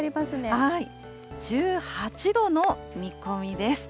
１８度の見込みです。